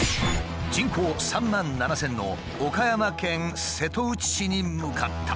人口３万７，０００の岡山県瀬戸内市に向かった。